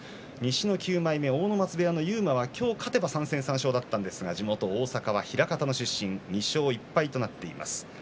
西の９枚目阿武松部屋の勇磨は今日勝てば３戦３勝だったんですが地元大阪は枚方の出身２勝１敗となっています。